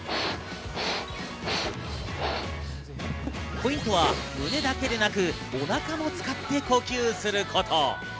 ポイントは胸だけでなくお腹も使って呼吸すること。